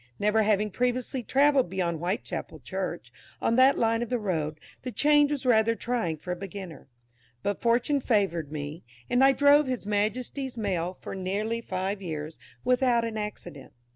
Never having previously travelled beyond Whitechapel Church, on that line of road, the change was rather trying for a beginner. But Fortune favoured me; and I drove His Majesty's Mail for nearly five years without an accident.